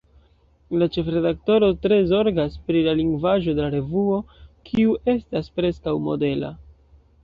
La ĉefredaktoro tre zorgas pri la lingvaĵo de la revuo, kiu estas preskaŭ modela.